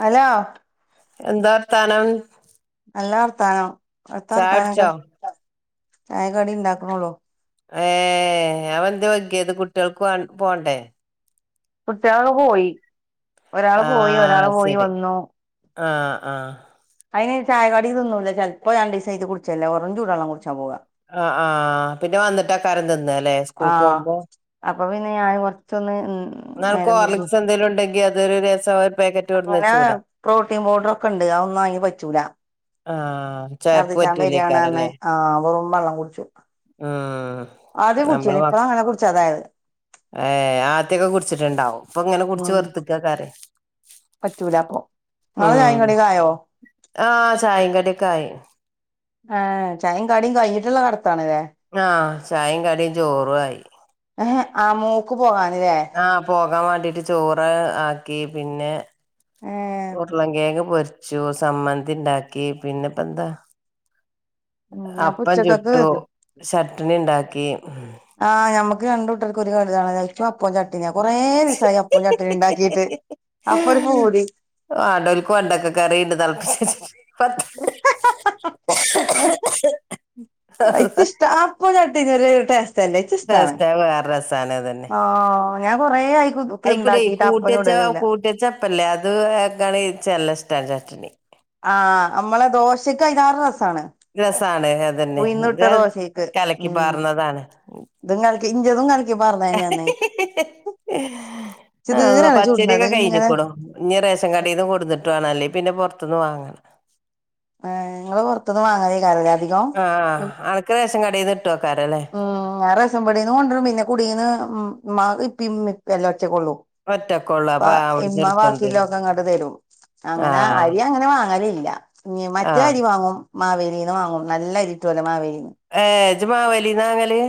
Hello എന്താ വർത്താനം നല്ല വർത്താനം അവിടുത്തെ ചായ കുടിച്ചോ വർത്താനം ചായകടി ഉണ്ടാക്കണേ ഉള്ളു ഏഹ് അത് എന്ത് വൈകിയത് കുട്ടികൾക്ക് പോ പോകണ്ടേ കുട്ടികള് പോയി ഒരാള് പോയി ഒരാള് പോയി വന്നു ആഹ് ആഹ് അതിന് ചായ കടി ഇതൊന്നും തിന്നൂല ചിലപ്പോ രണ്ടു ദിവസം ഇത് കുടിച്ചല്ലേ ഓറഞ് ചൂട് വെള്ളം കുടിച്ചു ആ ആഹ് പിന്നെ വന്നിട്ട് ആഹാരം തിന്ന അല്ലേ സ്കൂൾക്ക് ആഹ് പോകുമ്പോ അപ്പൊ പിന്നെ ഞാൻ കുറച്ചൊന്ന് ങ്ങൾക്ക് ഹോർലിക്സ് എന്തേലും ഉണ്ടെങ്കിൽ അതൊരു രസം പാക്കറ്റ് കൊടുന്ന് അങ്ങനെ വെച്ചൂടെ പ്രോട്ടീൻ പൗഡർ ഒക്കെ ഇണ്ട് അത് ഒന്നു അതിന് പറ്റൂല ആഹ് ശർദിച്ചാ വര്യാണന്ന് ആഹ് അപ്പം വെള്ളം കുടിച്ചു ഉം അദ്യം കുടിച്ചാരുന്നു ഇപ്പള അങ്ങനെ കുടിക്കാതെ ആയത് ഏഹ് ആദ്യൊക്കെ കുടിച്ചിട്ടുണ്ടാവും ഇപ്പൊ ഇങ്ങനെ കുടിച്ച് ഉം വെറുത്തിട്ടാകും പറ്റൂല അപ്പൊ നിങ്ങളെ ഉം ചായ കടിയൊക്കെ ആയോ ആ ചായയും കടിയൊക്കെ ആയി ആഹ് ചായയും കടിയും കഴിഞ്ഞിട്ടുള്ള കിടത്താണ് ഇത് ആ ചായയും കടിയും ചോറും ആയി ഏഹ് ആ മൂക്ക് പോകാൻ ആഹ് പോകാൻ വേണ്ടിട്ട് ചോറ് ആക്കി പിന്നെ ഉർളൻകേങ് പൊര് ച്ചൂ സമ്മന്തിണ്ടാക്കി പിന്നെപ്പന്താ ഉം അപ്പൊ അപ്പം ഉച്ചക്കക്ക് ചുട്ടു ചട്ടിണി ണ്ടാക്കി ക്ക്‌ രണ്ടൂട്ടർക്കും ഒരു [unintelligible] ഇച്ചും അപ്പോം ചട്ടിനിയ കുറേ ദിവസായി അപ്പോം ചട്ടിനിം ണ്ടാക്കിട്ട് വാണ്ടോൽക്ക് വെണ്ടക്ക കറിണ്ട് തൾപ്പിച്ചെച്ച്ട്ട് പത്ത് ഇച്ച്ഷ്ട അപ്പോം ചട്ടിനിം ഒര് ടേസ്റ്റല്ലേ ഇച്ചിഷ്ടാണ് ടേസ്റ്റ് അത് വേറെ രസാണ് ആ ഞാൻ കൊറേ ആയി അയിക്കൂടെയ് ഇണ്ടാക്കിട്ട് അപ്പം കൂട്ടിയെച്ച ചുടലില്ല കൂട്ടിയച്ചപ്പല്ലേ അത് ച്ചല്ലഷ്ട [unintelligible] ആഹ് അമ്മളെ ദോശക്ക് അയ്ലാറെ രസ രസാണ് അതന്നെ ഉഴ്ന്നിട്ട ഇത് ദോശീക്ക് കലക്കി ഉം പാർന്നതാണ് ഇ ഇഞ്ചതും കലക്കി പാർന്നെന്നേണ് ഏ ആള്ളാ ചുടണത് പച്ചയ്രിയൊക്കെ ഇങ്ങനെ കഴിഞ്ഞ്ക്കുണു ഇഞ്ഞി ആ റേഷൻകടീന്ന് കൊടുന്ന്ട്ട് വാണം അല്ലേ പിന്നെ പുറ ത്ത്ന്ന് വാങ്ങണം ആ ങ്ങള് പുറത്തുന്ന് വാങ്ങലെയ്ക്കാരംലേ ആഹ് അനക്ക് റേഷൻ കടീന്ന് ഉം ഞാൻ റേഷംപീടീന്ന് കൊണ്ടരും പിന്നെ കുടീന്ന് മ്മാക്ക് ഇപ്പിമ്മീ റ്റക്കൊള്ളു ഒറ്റക്കൊള്ളൂ പ്പ അപ്പൊ അവിടുന്ന് ഇമ്മ എടുത്തോണ്ടരും ബാക്കിയില്ലോക്കെങ്ങട്ട് തരും അങ്ങനെ ആഹ് അരി അങ്ങനെ വാങ്ങല ല്ല മറ്റേ ആഹ് അരി വാങ്ങും മാവേലീന്ന് വാങ്ങും നല്ല അരിട്ടോലൊ മാവേലി ഏജുമാവേലീന്നാങ്ങല്?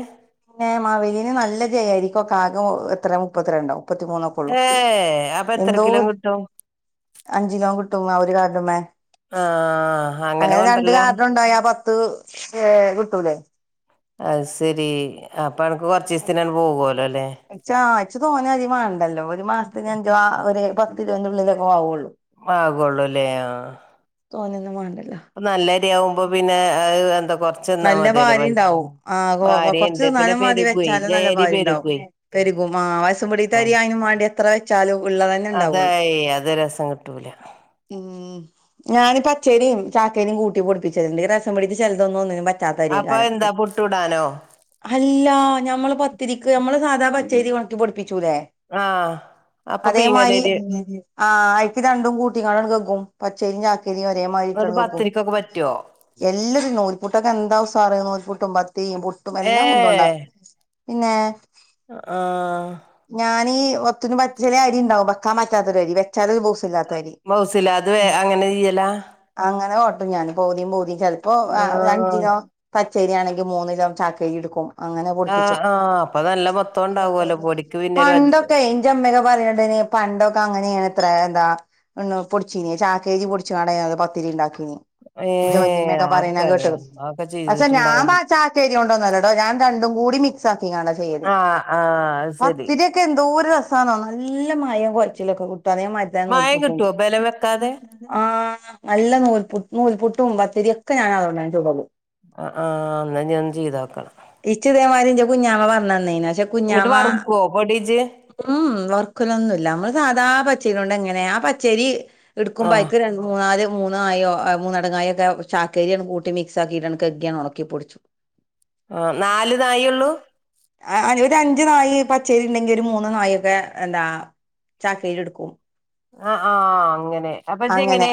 ഏ മാവലീല് നല്ല ജയ അരിക്കൊക്കെ ആകെ എത്ര മുപ്പത്തിരണ്ടൊ മുപ്പത്തിമൂന്നൊക്കൊള്ളു ഏഹ് അപ്പൊ എത്ര എന്തോ കിലോ കിട്ടും അഞ്ചിലോം ട്ടും ആ ഒര് കാർഡ്മ്മെ ആഹ് അങ്ങനെ രണ്ട്‌ കൊണ്ടരലാ കാർഡ് കൊണ്ടോയാ പത്ത് ഏ കിട്ടൂലേ അയ് ശെരി അപ്പൊ അനക്ക് കൊർച്ചീസ്ത്തിനണ് പോവോല്ലോ ച്ച് ആ ച്ച് തോനരി മാണ്ടല്ലോ ഒരു മാസത്തിനഞ്ചോ ഒരു പത്തിലോന്റെ ഉള്ളിലൊക്കാവുള്ളൂ ആകുള്ളൂല്ലേ ആ തോനെന്നും മാണ്ടല്ലോ നല്ലരിയാവുമ്പോ പിന്നെ അത് ന്ത നല്ല ഭാരിണ്ടാവും ആ കൊർച്ചു ഭാര്യയുണ്ട് തി പിന്നെ ന്നാനും മതി പെരുകുവേ വെച്ചാലും നല്ല ജയരി പെരുകുവേ ഭാരിണ്ടാവും ക്കും ആ റേസംപീടീത്തെ അരി ആഹ് അയ്‌നും വാണ്ടി എത്ര വെച്ചാലും ഉള്ളതന്നെ ണ്ടാവുള്ളൂ അതായി അത് രസം കിട്ടൂല ഉം ഞാനി പച്ചയ്രിം ചാക്കയ്രിം കൂട്ടി പൊടിപ്പിച്ചല്ണ്ട് ഈ റേസംപീടീത്തെ ചെലതൊന്നും ഒന്നിനും അപ്പൊ പറ്റാത്തയ്രെയ്ക്കാരം എന്താ പുട്ടൂടാനോ അല്ലാ ഞമ്മള് പത്തിരിക്ക് ഞമ്മള് സാധാ പച്ചരി ഉണക്കി പൊടിപ്പിക്കും ച്ചൂലെ ആഹ് അപ്പൊ അതേമാരി പീങ്ങലരി അയ്ക്ക് രണ്ടും കൂട്ടീക്കാണ്ടങ്ങട്ട് കെ പച്ചരിയ്രിം ചാക്കായ്രിം ഒരേ എന്നിട്ട് മായ്രിട്ടണ് കെക്കും പത്തിരിക്കൊക്കെ പറ്റുവോ എല്ലതും ക്കെന്താ ഉസാറ് നൂൽപുട്ടും പത്തിരിം പുട്ടും എല്ലാ കുന്തോണ്ടാക്കും പിന്നേ ആ ഒത്തിനും പച്ചില അരി ണ്ടാകും വെക്കാൻ പറ്റാത്തൊരരി ഒര് ബൗസ്സില്ലാത്തരി മൗസില അത് വേ അങ്ങനെ ചെയ്യലാ അങ്ങനെ ഞാന് പൗതിം പൗതിം ചെൽപ്പോ ആ ആഹ് അഞ്ചിലോ പച്ചയ്രിയാണെങ്കി മൂന്നിലോ ചാക്കയ്രിട്ക്കും ആ ആ അപ്പ പണ്ടൊക്കെ ഞ്ചേമ്മക്കെ പറയ്ണ്ടായ്നി പണ്ടൊക്കെ അങ്ങനേണ് അത്ര എന്താ പൊടിച്ചീനി ചാക്കയ്രി പൊടിച്ച്കാണ്ടാ ഞാനിന്ന് പത്തിരി ണ്ടാക്കി ഞ്ചേ ഏഹ് വല്ലിമ്മെക്കെ പറയ്ണെ ഞാൻ കേട്ട്ക് ആർക്കറിയാം അതൊക്കെ പക്ഷെ ഞാൻ ചെയ്തിട്ടുണ്ടാവും പാ ചാക്കയ്രിയോണ്ടൊന്നല്ലട്ടോ ഞാൻ രണ്ടും കൂടി മിക്സ് ആ ആക്കിക്കാണ്ടാചെയ്യല് ആഹ് ആഹ് അത് ശരി പത്തിരിക്കെ എന്തോ ഒരു രസാന്നോ നല്ലമ്മയം കൊയ അതേമാരിയ്ക്ക മയം നൂൽപുട്ടും കിട്ടുവോ ബലം വെക്കാതെ ആ നല്ല നൂൽപ്പു നൂപട്ടും വ ശരിയൊക്കെ ഞാൻ അതു കൊണ്ടാ ണ് ചുടല് അ ആ എന്ന ഞാൻ ചെയ്തോക്കണം കുഞ്ഞാമ പറഞ്ഞേനെയ്നി പക്ഷേ ഇങ്ങട്ട് കുഞ്ഞാമ വറുക്കുവോ പൊടിജ് ഉം ഉം ക്കൊനുന്നൂല്യ നമ്മള് സാധാ പച്ചേരി കൊണ്ട് എങ്ങനെ ആ പച്ചേരി ആ എടുക്കുമ്പോ അയിക്ക് രൺ മൂന്നാല്ല് മൂന്നായോ അ മൂന്നടങ്ങായൊക്കെ ചാക്കേരിയകൂട്ടി മിക്സ് ആക്കിയിട്ട് കൈക്കി ഒണക്കിപൊടിച്ച് ആ നാല് നായ്യ്ള്ളൂ അ അ ഒരു അഞ്ചു നായി പച്ചേരി ഉണ്ടെങ്കില്ലു ഒരു മൂന്ന് നായി ഒക്കെ എന്താ ചാക്കരിടുക്കും അ ആ അങ്ങനെ അങ്ങനെ അപ്പൊച്ചങ്ങനെ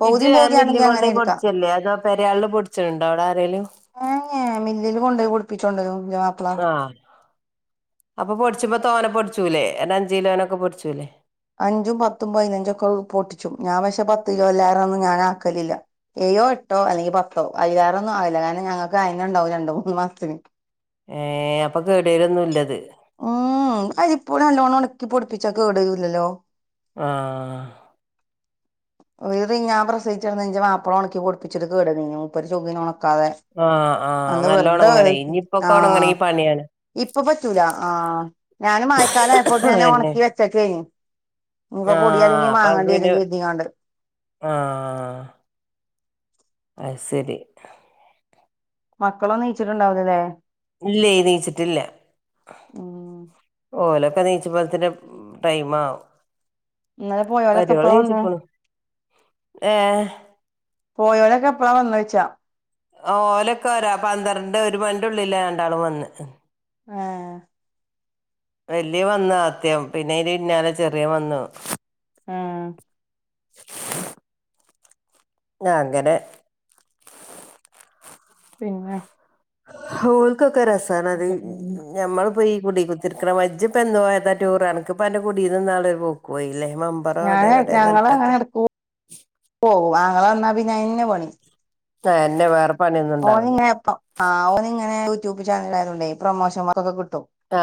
പൗതിയും ഇജ് മില്ലി പൗതിയാണെങ്കി കൊണ്ട അങ്ങനെ എടുക്കാം പൊടിച്ചല്ലേ അതോ പെരയാള് പൊടിച്ചേണ്ടോ അവിടെ ആരെലും ഏ മില്ലില് കൊണ്ടോയ്യി പൊടിപ്പിച്ചോടോരും ന്റെമാപ്പള. അപ്പൊ പൊടിച്ച്ഭം തോനെ പൊടിച്ചൂല്ലേ എന്ന അഞ്ച് കിലോനൊക്കെ പൊടിച്ചൂല്ലേ അഞ്ചും പത്തും പതിനൻഞ്ചോക്കെ ക്കെ ഒ പൊടിച്ചു ഞാൻ പക്ഷെ പത്ത് കിലോ എല്ലാരരും ഞാൻ ആക്കലില്ല എ യോ എട്ടോ അല്ലെങ്കിൽ പത്തോ അയില്ലേറോന്നും ആവില്ല ഞാന് ഞങ്ങൾക്ക് അതിന ഉണ്ടാവും രണ്ട് മൂന്നു മാസത്തിനു മാസത്തിന് ഏ അപ്പം കേടവരൊന്നുംല്ലത് ഉം അരിപ്പൊടി നല്ലോണം ഉണക്കി പൊടിപ്പിച്ചാ കേടരൂല്ലലോ ആ ഒഴിരു ഞാൻ പ്രസയിച്ചു കെടന്ന്ന്റെ മാപ്പള ഉണക്കി പൊടിപ്പിച്ചിട്ട് കേടീനീന് മുപ്പര് ചൊ ക്കതെ ആ ആ അന്ന് നല്ല വെറുതെ ഒണങ്ങണേ ആ ഇനിയിപ്പൊക്കെ ആ ഒണങ്ങണെങ്കി പണിയാണ് ഇപ്പ പറ്റൂല ആ ഞാനും മായക്കാലയപ്പോത്തിന് അതന്നെ ഒണക്കി വെച്ചേക്കേനി ആ അപ്പൊ അൻക്ക് പിന്നെ കരുതിങ്ങാണ്ട് ആ അഹ് സെരി മക്കളൊന്നും നീച്ട്ടുണ്ടാവുലല്ലേ ഇല്ലേ നീച്ചിട്ടില്ല ഉം ഓലൊക്കെ നീച്ച [unintelligible] ടൈമാവും ഇന്നല്ലെ പോയോലൊക്കെപ്പയാവന്നെ ഏ പോയോലൊക്കെ എപ്പളാ വന്നഹ് ചോയ്ച്ചാ ഓലൊക്കെ രാ പന്ത്രണ്ട് ഒരുമണിന്റെ ഉള്ളിലാ രണ്ടാളുംവന്ന് ആ വല്ല്യ വന്ന് ആദ്യം പിന്നെ അയ്ന്റെ പിന്നാല്ലേ ചെറിയവം വന്നു ആ [inaudible] ഞങ്ങനെ പിന്നെ ഹോൽക്കൊക്കെ രസാനത് ഞമ്മള് പൊയി കുടി കുത്തിര്ക്കണ മജ് ഇപ്പൊ എന്നുപോയതാ ടൂറ് ആന്ക്പ്പൊ അന്റെ കുടിന്ന്ന്നാള് ഒരു പോക്കോഴി ഞാന് ഞങ്ങളെ അങ്ങനെ എടക് പോകും ആങ്ങള വന്നാ പിന്നെ അഹ്ന്നെ പണി ആ അഹ്ന്നെ വേറെ പണിയൊന്നും ഉണ്ടാവില്ല ഓനിങ്ങെപ്പം ആ ഓനിങ്ങനെ യൂട്യൂബ് ചാനല് ആയതോണ്ടേ പ്രൊമോഷൻ വർക്കൊക്കെ കി ട്ടും ആ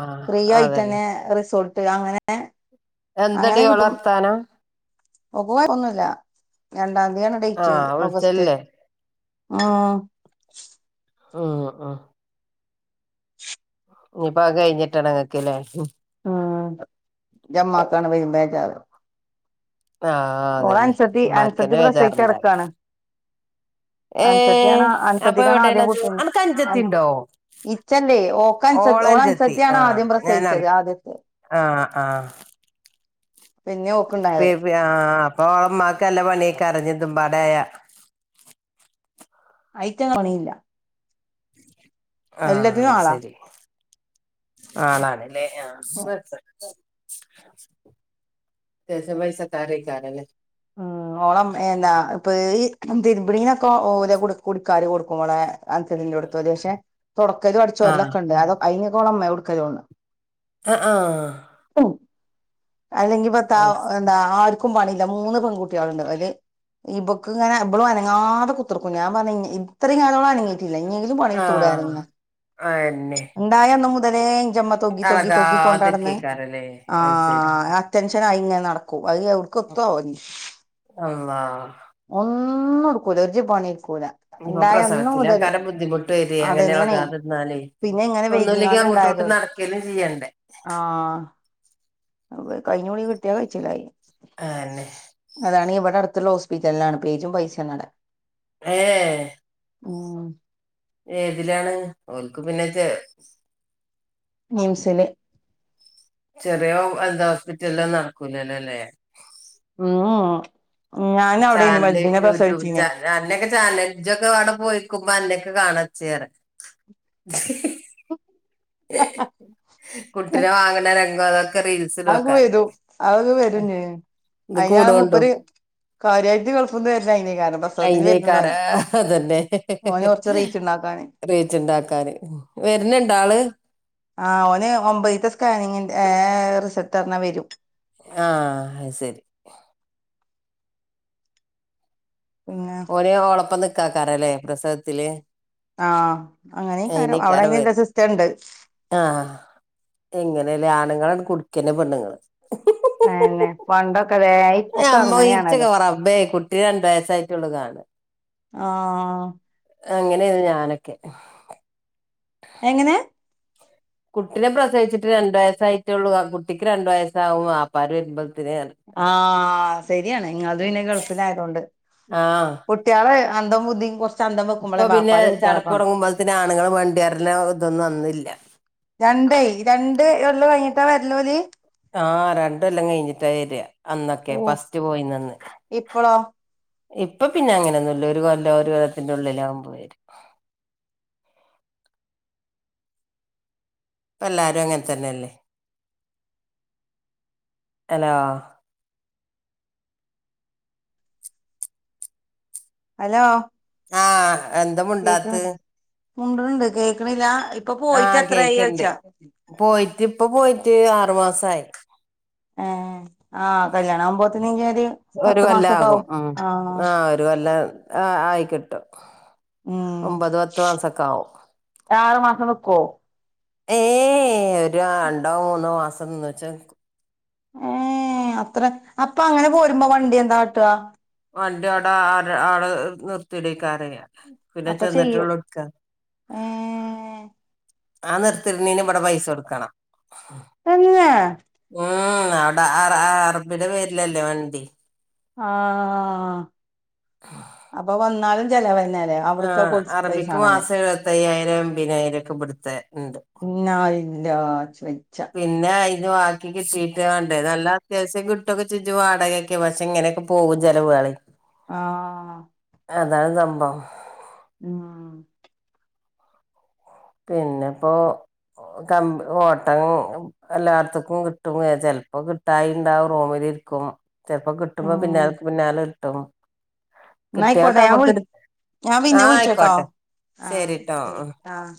ആ ഫ്രീയായിട്ടന്നെ റിസോർട്ട് അങ്ങനെ അങ്ങനെ എന്താടി കിട്ടും ഒളർത്താനം ഓക്ക് [unintelligible] രണ്ടാത്യണ് ആ ഡേറ്റ് ഓഗസ്റ്റ് വിളിച്ചല്ലേ ആ ഉം ഉം [inaudible] ഞ്പ്പ കഴിഞ്ട്ടണം ഓക്ക് ല്ലേ ഹും ഉം ജമഹതാണ് [unintelligible] ആ അതന്നെ അൻസത്തി ഉമ്മാര്ക്കന്നെ വെജാറ്ണ്ടാകാ അൻസദ്യണോ അപ്പൊ അൻസദ്യക്കാണോ ആദ്യം എവിടെയാണത് കുട്ടി അനക്ക് അൻ അനുജത്തി ഉണ്ടോ ഇച്ചല്ലേ ഓക്കൻസ ഓളെ ഓളഞ്ചത്തി അൻസത്തിയാണ് ആദ്യം പ്രസവിച്ചത് ആദ്യത്തെ ആ ആ പിന്നെ പി ഓക്ക്ണ്ടായത് ആ ആ ഇമ്മാക്കല്ലാ പണിയ്ക്കാരം ഇഞ് ഇതും പാടെ ആയാ [unintelligible] ആ എല്ലത്തിനും ആളാ സരി ആണാണല്ലേ ആ [unintelligible] ഉം ഓളം എന്താ പേര് തിരുബ്ണ്ണീനൊക്കെ ഓല കുടിക്കാര് കൊടുക്കും ഓളെ അൻസ ക്ഷെ തൊടക്കലും അടിച്ച് ആഹ് വാരലൊക്കെ ണ്ടോ അയ്നൊക്കെ ഓളെ ഇമ്മോകോട്ക്കല് ഓണ് അ ആ അല്ലെങ്കിപ്പത്താ എന്താ ആർക്കും പണില്ലാ മൂന്ന് പെൺകുട്ടിയാള്ണ്ട് ഓല് ഇബക്ക്ങ്ങനെ ഇബള് അനങ്ങാതെ കുത്തർക്കും ഞാൻ പർഞ്ഞ് ഇത്രേയും കാലോളം അനങ്ങി ഇനിങ്കിലും പണി എടുത്തൂടെ അറിം ആഹ് ഞാൻ അതെന്നെ ഇണ്ടായന്ന് മുതലേ ന്റെ ഇമ്മ തൊഗ്ഗി തൊഗ്ഗി തൊഗ്ഗി കൊണ്ട് നടന്ന് എളകാതിരിക്കേക്കാരല്ലേ ആ അത് ശരി ടെൻഷനായിങ്ങനെ നടക്കും അഹ് യവ്ട്ക്ക്‌ എത്തുവോ ഇഞ് അള്ളാഹ് ഒന്നു ഒന്നുംടുക്കൂലാ ഒരു പണീം ക്കൂലാ ഇനിയിപ്പോ ഇണ്ടായ അന്ന് മൊതല് പ്രസവത്തിലേക്കാരം ബുദ്ധിമുട്ട് വരെ അങ്ങനെ അതങ്ങനെണ് ഇളകാതിരുന്നാലേ പിന്നെ ഇങ്ങനെ ഒന്നുമില്ലെങ്കിൽ വൈകിക്കാണ്ട് അങ്ങോട്ടോട്ട് ഇണ്ടായതും നടക്കലും ചെയ്യണ്ടേ ആ കഴിഞ്ഞൊടി കിട്ടിയ [unintelligible] ആന്നെ അടുത്തുള്ള ഹോസ്പിറ്റലിലാണ് പേജും പൈസ നട ഏ ഓ ഏതിലാണ് ഓൾക്ക് പിന്നെ നിംസില് ചെറിയ എന്താ ഹോസ്പിറ്റലില് നടക്കൂലാല്ലേ ഉം ഞാനവിടെനി ചാനല് വലുതിനെ യൂട്യൂബ് പ്രസവിച്ചീനെ ചാനല് ചാനലൊക്കെ അവിടെ പോയിക്കുമ്പോ അന്നെ [unintelligible] കാണച്ചേറെ കുട്ടിനെ വാങ്ങണ രംഗം അതൊക്ക അതൊക്കെ വരൂ അത് വരും ഇത് അയ്യാറ് കൂടുകൊണ്ടും മുപ്പര് കാര്യായിട്ട് കൊഴപ്പം അയിനേക്കാരാ തന്നെ ഓന് കുറച്ച് റീച്ച് ഉണ്ടാക്കാന് റീച്ച് ഇണ്ടാക്ക വരുന്നിണ്ടാള് ആ ഓന് ഒമ്പതീത്തെ സ്കാനിങ്ങിന്റെ റിസൾട്ട് അറിഞ്ഞാ വരും ആ ശരി പിന്നെ ഓന് ഓളപ്പം നിക്കാക്കാറല്ലേ പ്രസവത്തില് ആ അങ്ങനെയാ കാരം അയിനേക്കാരം അവിടെങ്ങനെത്തെ വര്ണെ സിസ്റ്റം ഇണ്ട് ആഹ് എങ്ങനെല്ലേ ആണുങ്ങളെ കുടിക്കുന്ന പെണ്ണുങ്ങള് [unintelligible] പണ്ടൊക്കെ ഇപ്പൊക്കെ അമ്മ അങ്ങനെയാണതോ ഇച്ചൊക്കെ റബ്ബേ കുട്ടി രണ്ട് വയസ്സായിട്ടുള്ളൂ കാണാ ആ അങ്ങനെയത് ഞാനൊക്കെ എങ്ങനേ കുട്ടീനെ പ്രസവിച്ചിട്ട് രണ്ട് ആഴ്ചായിട്ടുള്ളൂ കുട്ടിക്ക് രണ്ടു വയസ്സാവും ആപ്പാർ വരുമ്പോ ആ ശരിയാണ് ഇങ്ങതും പിന്നെ ഗൾഫിലായതോണ്ട് ആഹ് കുട്ടികള് [unintelligible] കൊ ഇപ്പൊ പിന്നെ ചടപ്പ് തുടങ്ങുമ്പോ തന്ന് ആണുങ്ങള് വേണ്ടിവറന ഇതൊന്നും അന്നില്ലാ രണ്ടേ രണ്ട് [unintelligible] കഴിഞ്ഞിട്ടാ വരല്ല് ഓല് ആ രണ്ടൊല്ലം കഴിഞ്ഞിട്ടാ വര അന്നൊക്കെ ഫസ്റ്റ് പോയിന്നന്ന് ഇപ്പളോ ഇപ്പൊ പിന്നെ അങ്ങനെയൊന്നുല്ല ഒരു കൊല്ലം ഒരു കൊല്ലത്തിൻ്റെ ഉള്ളില ആകുമ്പോ വരും എല്ലാരും അങ്ങനെ തന്നെല്ലേ ഹലോ ഹലോ ആഹഎന്താ മുണ്ടാത്ത് മുണ്ട്ന്ണ്ട് കേക്കണില്ല ഇപ്പൊ പോയിട്ട് എത്രായി ആകേക്കണ്ട് ചോയിച്ചാ പോയിട്ട് ഇപ്പ പോയിട്ട് ആറു മാസയി ഏ ആകല്യാണ ആവുമ്പോതിൻ ഒരു കൊല്ല ആകും ഉം ആ ഒരു കൊല്ലം ആ ആയി കിട്ടും ഉം ആറു മാസം നിക്കുവോ ഏ ഒരു രണ്ടോ മൂന്നോ മാസം നിന്നൂച്ചാ നി ഏ അത്ര അപ്പൊ അങ്ങനെ പോരുമ്പോ വണ്ടി എന്താ കാട്ടാ വണ്ടി ആടെ ആ ആരെ അടെ നിർ തിടിക്കാറിയാം പിന്നെ അപ്പൊ ചെയ്യും ചെന്നിട്ടോളൂട്ക്ക ഏ ആ നിർത്തിരുന്നേന് ഇവിടെ പൈസ കൊടുക്കണം തന്നെ ഉം ആ അവിടെ അ അറബിയുടെ പേരിലല്ലേ വണ്ടി ആഅപ്പൊ വന്നാലും ചിലവന്നേ ആ അറബിക്ക് മാസം എഴുപത്ത അയ്യായിരം എമ്പതിനായിരം ഒക്കെബിടുത്തെണ്ട് ല്ലാ ച് വെ പിന്നെ അ പിന്നെ വാക്കി കിട്ടിട്ട് വാണ്ടേ നല്ല അത്യാവശ്യം കിട്ടൊക്കെ ചജും വാടകയൊക്കെ പക്ഷെ ഇങ്ങനെയൊക്കെ പോകും ചിലവുകളെ ആ അതാണ് സംഭവം ഉം പിന്നെപ്പോ ക ഓട്ടം എല്ലാർത്തക്കും കിട്ടും ചിലപ്പോ കിട്ടായിണ്ടാവൂ റൂമിൽ ചെലപ്പോ കിട്ടുമ്പോ ഉം പിന്നക്ക് പിന്നാല കിട്ടും കിട്ടയാക്കെ ന്നായിക്കോട്ടെ ഞാൻ നമക്ക് വിളി എടു ഞാൻ ആ പിന്നെ വിളിച്ചട്ടോ ആയിക്കോട്ടെ ആഹ് ശരിട്ടോ ശരി. ആ ആഹ്